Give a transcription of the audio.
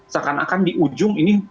sekanakan di ujung ini berubah